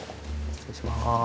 失礼します。